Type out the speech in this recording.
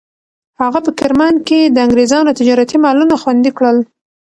هغه په کرمان کې د انګریزانو تجارتي مالونه خوندي کړل.